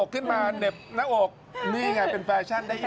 ก็จริงใครก็ทำได้แหละค่ะ